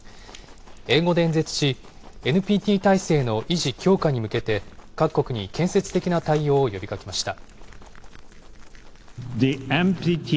英語で演説し、ＮＰＴ体制の維持・強化に向けて、各国に建設的な対応を呼びかけました。